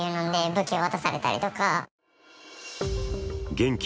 現金